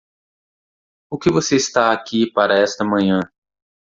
O que você está aqui para esta manhã?